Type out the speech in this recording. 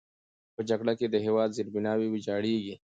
په جګړه کې د هېواد زیربناوې ویجاړېږي.